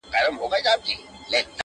• او د هغه عالي مفاهیم -